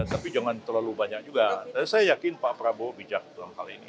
tapi jangan terlalu banyak juga saya yakin pak prabowo bijak dalam hal ini